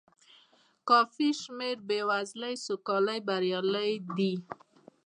کافي شمېر بې وزلۍ سوکالۍ بریالۍ دي.